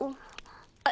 あ。